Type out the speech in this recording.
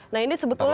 nah ini sebetulnya